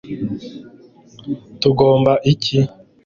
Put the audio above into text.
tugomba iki